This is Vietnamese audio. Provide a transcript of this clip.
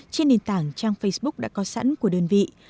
trên nền tảng trang facebook đã có sẵn của đơn vị